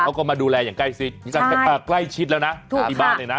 เขาก็มาดูแลอย่างใกล้ชิดใกล้ชิดแล้วนะที่บ้านเลยนะ